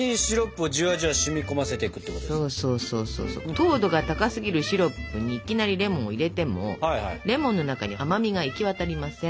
糖度が高すぎるシロップにいきなりレモンを入れてもレモンの中に甘みが行き渡りません。